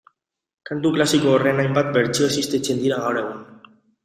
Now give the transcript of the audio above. Kantu klasiko horren hainbat bertsio existitzen dira gaur egun